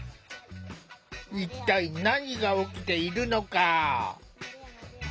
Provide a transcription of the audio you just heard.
いったい、何が起きているのか。